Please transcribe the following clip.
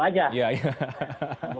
aja bukan basis